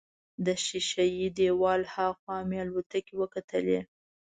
د ښیښه یي دیوال هاخوا مې الوتکې وکتلې.